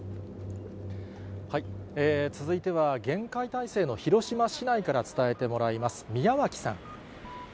続いては、厳戒態勢の広島市内から伝えてもらいます。